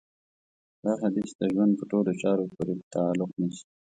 دا حديث د ژوند په ټولو چارو پورې تعلق نيسي.